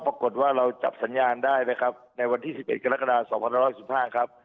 ปรากฏว่าเราจับสัญญาณได้นะครับในวันที่๑๑กรกฎา๒๑๖๕ครับ